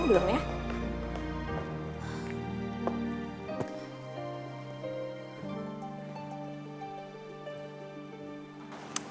belum belum ya